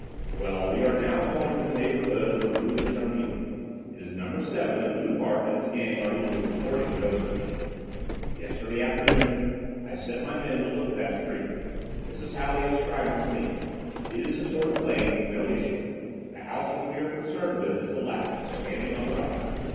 "Well, we are now going to the neighbourhood of the Rue des Charmilles. It is number 7 that Loupart and his gang are to loot, according to Josephine. Yesterday afternoon I sent my men to look at the street; this is how they described it to me. It is a sort of lane with no issue; the house which we are concerned with is the last, standing on the right.